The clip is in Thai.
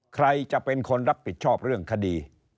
ใครจะเป็นคนรับผิดชอบเรื่องคดี